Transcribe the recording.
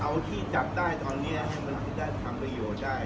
เอาที่จับได้ตอนนี้ให้มันได้ทำประโยชน์ได้